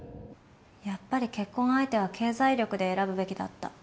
やっぱり結婚相手は経済力で選ぶべきだった。